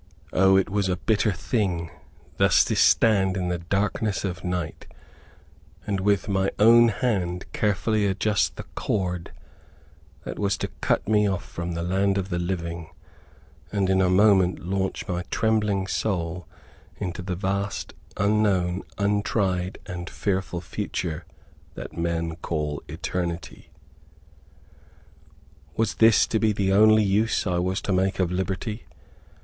O, it was a bitter thing, thus to stand in the darkness of night, and with my own hand carefully adjust the cord that was to cut me off from the land of the living, and in a moment launch my trembling soul into the vast, unknown, untried, and fearful future, that men call eternity! Was this to be the only use I was to make of liberty?